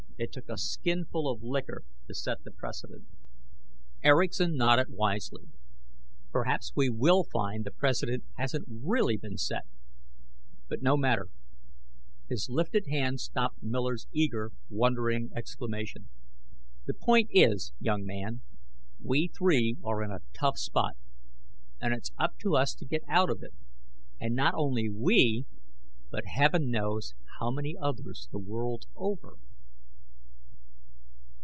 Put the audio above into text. It took a skinful of liquor to set the precedent." Erickson nodded wisely. "Perhaps we will find the precedent hasn't really been set! But no matter " His lifted hand stopped Miller's eager, wondering exclamation. "The point is, young man, we three are in a tough spot, and it's up to us to get out of it. And not only we, but heaven knows how many others the world over!"